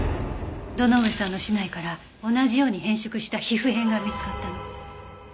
堂上さんの竹刀から同じように変色した皮膚片が見つかったの。